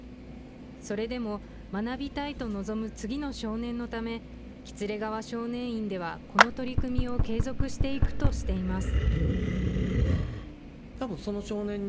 それでも学びたいと望む次の少年のため喜連川少年院ではこの取り組みを継続していくとしています。